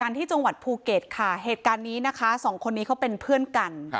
ที่จังหวัดภูเก็ตค่ะเหตุการณ์นี้นะคะสองคนนี้เขาเป็นเพื่อนกัน